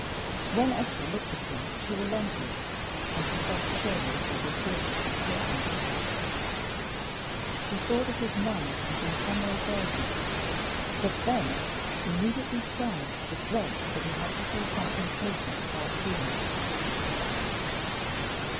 When Esther looked at him she relented, and felt ashamed of her gratuitous impatience. She saw that his mind was in some way burdened. But then immediately sprang the dread that he had to say something hopeless about Felix.